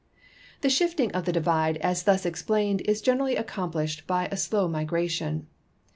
The shifting of the divide as thus explained is generally accom ] dished by a slow migration.